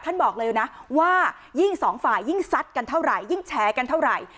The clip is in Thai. บอกเลยนะว่ายิ่งสองฝ่ายยิ่งซัดกันเท่าไหร่ยิ่งแชร์กันเท่าไหร่